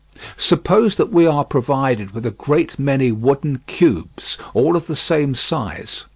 Suppose that we are provided with a great many wooden cubes all of the same size.